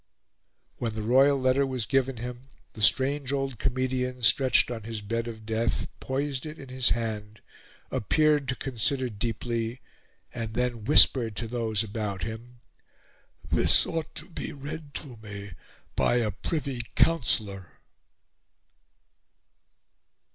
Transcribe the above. When the royal letter was given him, the strange old comedian, stretched on his bed of death, poised it in his hand, appeared to consider deeply, and then whispered to those about him, "This ought to be read to me by a Privy Councillor."